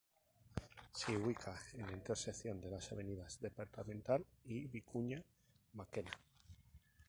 Se ubica en la intersección de las avenidas Departamental y Vicuña Mackenna.